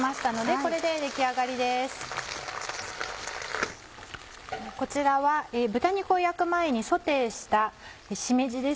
こちらは豚肉を焼く前にソテーしたしめじです。